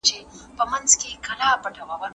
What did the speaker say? موږ هره ورځ د سهار لمونځ په وخت سره کوو.